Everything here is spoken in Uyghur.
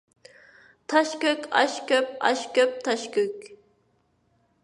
تاش كۆك، ئاش كۆپ، ئاش كۆپ، تاش كۆك.